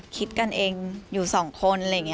คิดกันเองอยู่สองคน